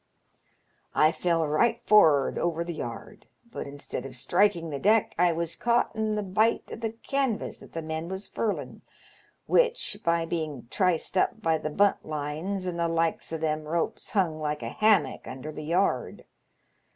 I fell right forrard over the yard, but instead of striking the deck I was caught in th' bight o' th' canvas that the men was furlin*, which, by being triced up by the bunt lines and the likes o' them ropes hung like a hammock under the yard.